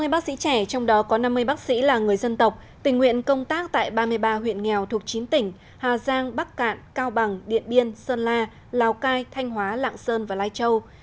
hai mươi bác sĩ trẻ trong đó có năm mươi bác sĩ là người dân tộc tình nguyện công tác tại ba mươi ba huyện nghèo thuộc chín tỉnh hà giang bắc cạn cao bằng điện biên sơn la lào cai thanh hóa lạng sơn và lai châu